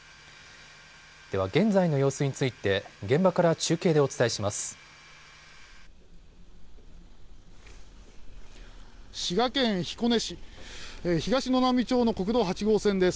では現在の様子について現場から中継でお伝えします。